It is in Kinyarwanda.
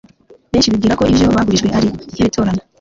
benshi bibwira ko ibyo bagurijwe ari nk'ibitorano